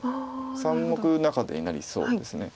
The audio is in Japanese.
三目中手になりそうです。